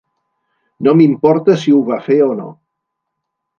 No m'importa si ho va fer o no.